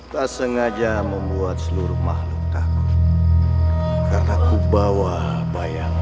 tak sengaja membuat seluruh makhluk takut